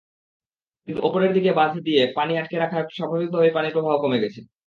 কিন্তু ওপরের দিকে বাঁধ দিয়ে পানি আটকে রাখায় স্বাভাবিকভাবেই পানিপ্রবাহ কমে গেছে।